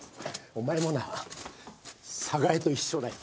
「お前もな寒河江と一緒だよ」